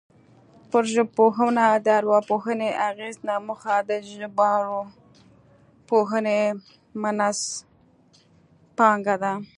پر ژبپوهنه د ارواپوهنې اغېز نه موخه د ژبارواپوهنې منځپانګه ده